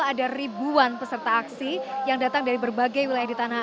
ada ribuan peserta aksi yang datang dari berbagai wilayah di tanah